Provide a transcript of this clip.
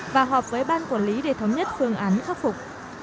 và họp với ban quản lý để thống nhất phương án khắc phục